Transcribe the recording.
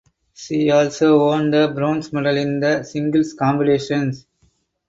She also won the bronze medal in the singles competition.